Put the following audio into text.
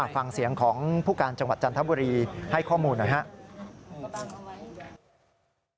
ฟังเสียงของผู้การจังหวัดจันทบุรีให้ข้อมูลหน่อยครับ